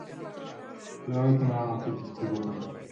কিভাবে তুমি আমাকে খুঁজে পেলে?